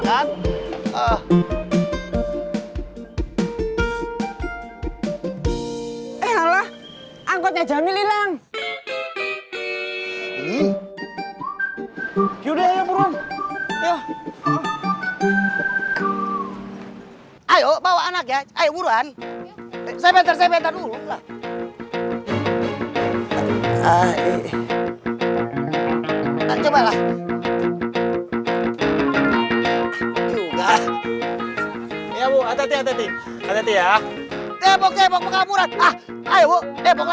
coba ya bu hati hati hati hati ya depok depok mengaburan ayo bu depok lagi masuk depok kan depok